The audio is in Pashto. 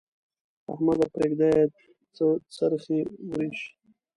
احمده! پرېږده يې؛ څه څرخی ورېشې.